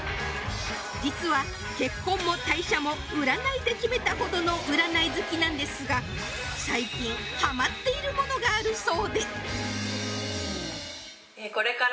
実は結婚も退社も占いで決めたほどの占い好きなんですが最近ハマっているものがあるそうでこれから